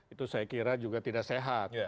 itu saya kira juga tidak sehat